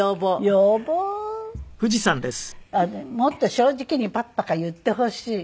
もっと正直にパッパカ言ってほしい。